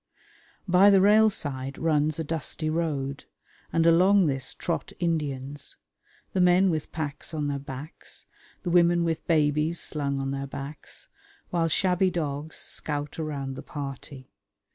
By the rail side runs a dusty road, and along this trot Indians, the men with packs on their backs, the women with babies slung on their backs, while shabby dogs scout around the party.